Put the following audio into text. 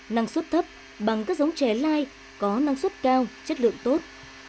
năng suất thấp bằng các giống chè lai có năng suất cao chất lượng tốt